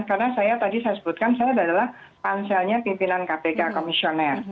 karena saya tadi saya sebutkan saya adalah panselnya pimpinan kpk komisioner